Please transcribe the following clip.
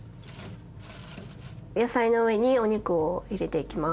野菜の上にお肉を入れていきます。